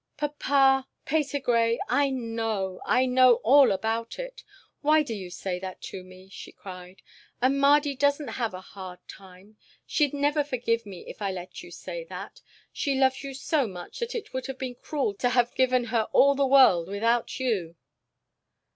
"Papa, Patergrey, I know, I know all about it! Why do you say that to me?" she cried. "And Mardy doesn't have a hard time she'd never forgive me if I let you say that! She loves you so much that it would have been cruel to have given her all the world, without you."